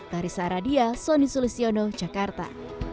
dari sahara dia sonny solisiono jakarta